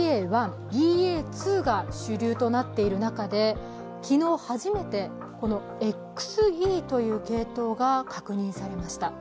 ．１、ＢＡ．２が主流となっている中で昨日初めて、このＸＥという系統が確認されました。